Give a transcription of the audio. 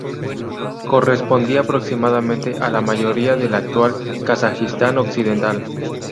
Correspondía aproximadamente a la mayoría del actual Kazajistán occidental.